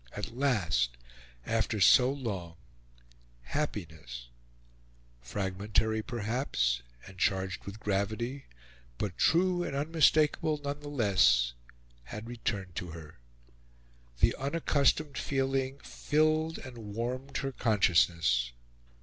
At last, after so long, happiness fragmentary, perhaps, and charged with gravity, but true and unmistakable none the less had returned to her. The unaccustomed feeling filled and warmed her consciousness.